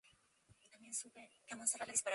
Posee una estación de ferrocarril.